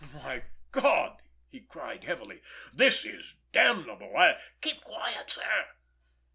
"My God!" he cried heavily. "This is damnable! I——" "Keep quiet, sir!"